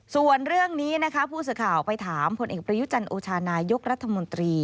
ส่วนเรื่องนี้นะคะผู้สื่อข่าวไปถามผลเอกประยุจันโอชานายกรัฐมนตรี